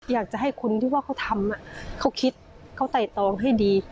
อยากจะให้คนที่ว่าเขาทำเขาคิดเขาใส่ตองให้ดี